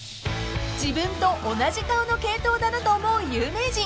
［自分と同じ顔の系統だなと思う有名人］